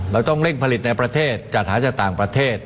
เราต้องเร่งผลิตในประเทศจัดหาจากต่างประเทศ